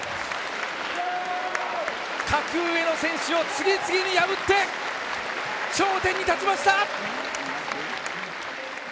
格上の選手を次々に破って頂点に立ちました！